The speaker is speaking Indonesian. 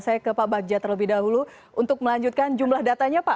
saya ke pak bagja terlebih dahulu untuk melanjutkan jumlah datanya pak